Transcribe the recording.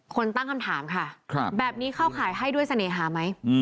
คนตั้งคำถามค่ะแบบนี้เข้าข่ายให้ด้วยเสน่หาไหม